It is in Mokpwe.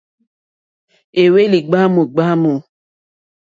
Éhwélì ɡbwámù ɡbwámù.